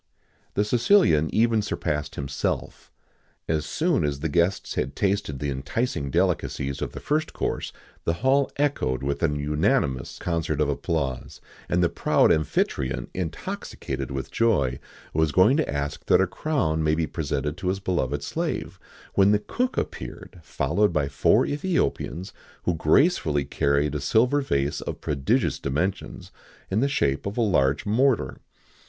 The Sicilian even surpassed himself. As soon as the guests had tasted the enticing delicacies of the first course, the hall echoed with an unanimous concert of applause, and the proud Amphitryon, intoxicated with joy, was going to ask that a crown might be presented to his beloved slave,[XIX 65] when the cook appeared, followed by four Ethiopians, who gracefully carried a silver vase of prodigious dimensions, in the shape of a large mortar.